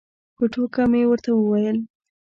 په ټوکه مې ورته وویل.